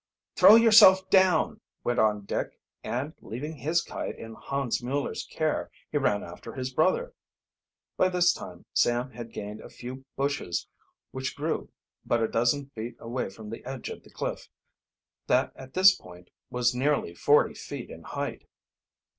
"Throw yourself down!" went on Dick, and, leaving his kite in Hans Mueller's care, he ran after his brother. By this time Sam had gained a few bushes which grew but a dozen feet away from the edge of the cliff, that at this point was nearly forty feet in height.